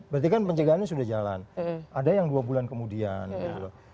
berarti kan pencegahannya sudah jalan ada yang dua bulan kemudian gitu loh